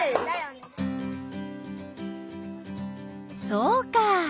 そうか！